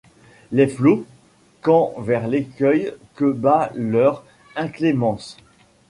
Les flots, quand vers l’écueil que bat leur inclémence